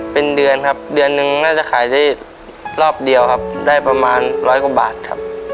เป็นเดือนครับเดือนหนึ่งน่าจะขายได้รอบเดียวครับได้ประมาณร้อยกว่าบาทครับ